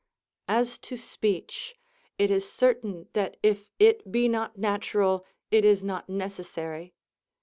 As to speech, it is certain that if it be not natural it is not necessary.